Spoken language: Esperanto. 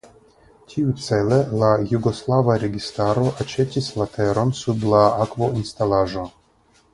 Tiucele la jugoslava registaro aĉetis la teron sub la akvoinstalaĵo.